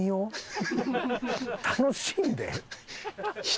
「楽しんで」？